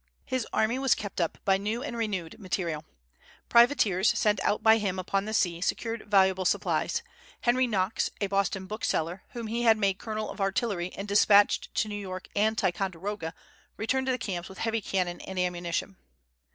His army was kept up by new and renewed material. Privateers, sent out by him upon the sea, secured valuable supplies. Henry Knox, a Boston bookseller, whom he had made colonel of artillery and despatched to New York and Ticonderoga, returned to the camps with heavy cannon and ammunition.